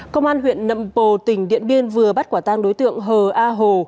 công an huyện nậm bồ tỉnh điện biên vừa bắt quả tang đối tượng hờ a hồ